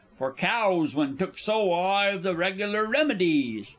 For cows, when took so, I've the reg'lar remedies.